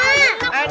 eh katanya enak